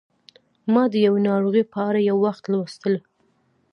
ما د یوې ناروغۍ په اړه یو وخت لوستل